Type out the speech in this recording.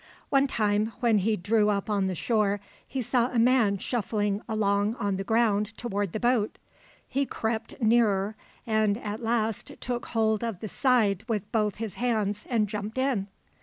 One time when he drew up on the shore he saw a man shuffling along on the ground toward the boat. He crept nearer, and at last took hold of the side with both his hands and jumped in.